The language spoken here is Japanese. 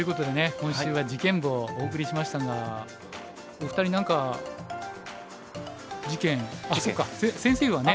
今週は事件簿をお送りしましたがお二人何か事件あっそっか先生はね。